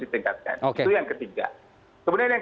ditingkatkan itu yang ketiga kemudian yang